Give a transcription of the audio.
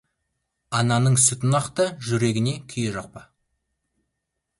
Ананың сүтін ақта, жүрегіне күйе жақпа.